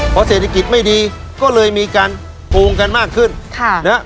เพราะเศรษฐกิจไม่ดีก็เลยมีการปรุงกันมากขึ้น